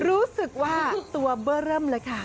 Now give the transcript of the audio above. รู้สึกว่าตัวเบอร์เริ่มเลยค่ะ